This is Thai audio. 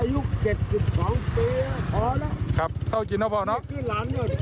พี่บอกจะเลิกนะ